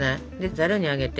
ざるに上げて。